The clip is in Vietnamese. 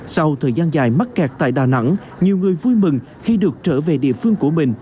sau thời gian dài mắc kẹt tại đà nẵng nhiều người vui mừng khi được trở về địa phương của mình